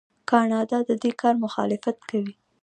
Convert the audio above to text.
کاناډا د دې کار مخالفت کوي.